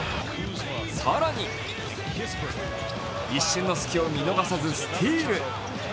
更に一瞬の隙を見逃さずスティール！